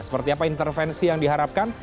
seperti apa intervensi yang diharapkan